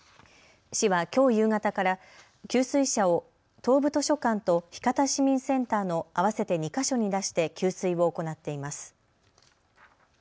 市はきょう夕方から給水車を東部図書館と干潟市民センターの合わせて２か所に出して給水を行っています。